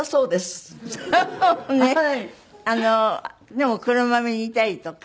でも黒豆煮たりとか。